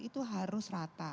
itu harus rata